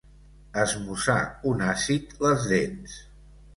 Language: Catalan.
Esmussar un àcid les dents.